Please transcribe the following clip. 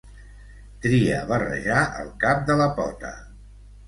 Tria barrejar el cap de la pota.